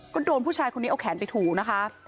ก็โดนผู้ชายคนนี้เอาแขนไปถูนะคะ